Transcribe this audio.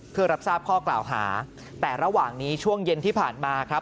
เพื่อรับทราบข้อกล่าวหาแต่ระหว่างนี้ช่วงเย็นที่ผ่านมาครับ